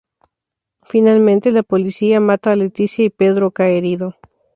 Finalmente la polícia mata a Leticia y Pedro cae herido.